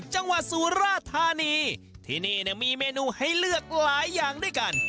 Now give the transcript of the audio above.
จังหวัดสุราธานีที่นี่มีเมนูให้เลือกหลายอย่างด้วยกัน